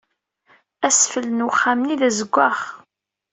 Asfel n wexxam-nni d azewwaɣ.